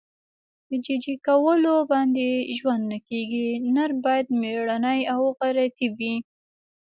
په جي جي کولو باندې ژوند نه کېږي. نر باید مېړنی او غیرتي وي.